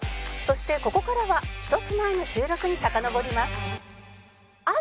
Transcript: そしてここからは１つ前の収録にさかのぼります